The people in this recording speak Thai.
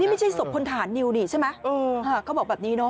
นี่ไม่ใช่ศพพนฐานนิวนี่ใช่ไหม